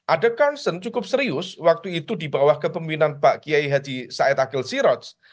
ada concern cukup serius waktu itu di bawah kepemimpinan pak kiai haji said akil siroj